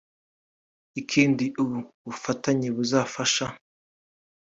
Ikindi ubu bufatanye buzafasha